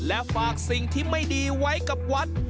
และฝากสิ่งที่ไม่ดีไว้กับวัด